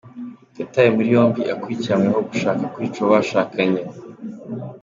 Yatawe muri yombi akurikiranyweho gushaka kwica uwo bashakanye